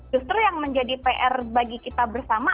justru yang menjadi pr bagi kita bersama